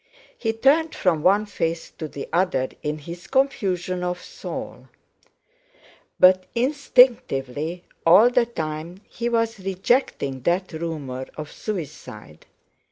He turned from one face to the other in his confusion of soul; but instinctively all the time he was rejecting that rumour of suicide.